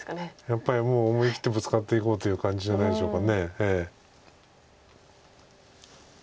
やっぱりもう思い切ってぶつかっていこうという感じじゃないでしょうか。